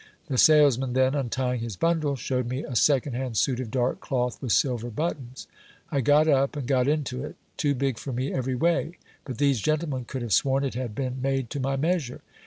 The salesman then, untying his bundle, shewed me a second hand suit of dark cloth with silver buttons. I got up, and got into it ; too big for me every way ! but these gentlemen could have sworn it had been made to my measure.